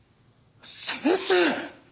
先生！